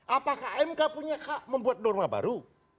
apakah mk punya hak membuat norma baru